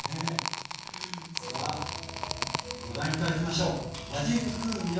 さあご覧頂きましょう。